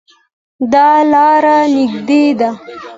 دا لار نږدې ده